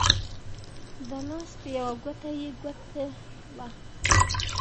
د لاس په يوه ګوته يې ګوتې وه